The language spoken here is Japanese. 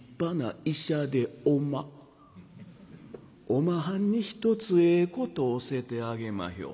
おまはんに一つええこと教えてあげまひょ。